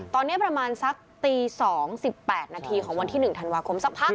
ตอนเนี่ยประมาณสักตีสองสิบแปดนาทีของวันที่หนึ่งธันวาคมสักพัก